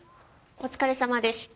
お疲れさまでした！